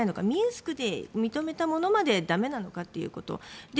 ミンスクで認めたものまでだめなのかということ。